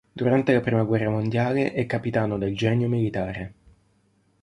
Durante la prima guerra mondiale è capitano del Genio militare.